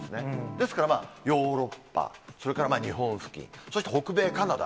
ですから、ヨーロッパ、それから日本付近、そして北米、カナダ。